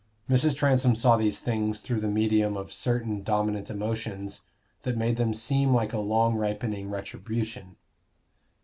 Mrs. Transome saw these things through the medium of certain dominant emotions that made them seem like a long ripening retribution.